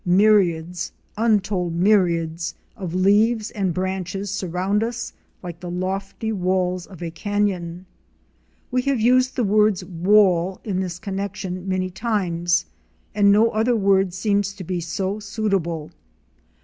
Myriads — untold myriads — of leaves and branches surround us like the lofty walls of a canyon. We have used the words wall in this connection many times and no other word seems to be so suitable.